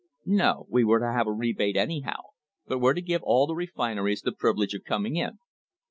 No; we were to have a rebate anyhow, but were to give all the refineries the privilege of coming in.